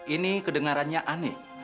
ini kedengarannya aneh